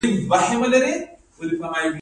د نصوارو کارول په ځینو مشرانو کې شته.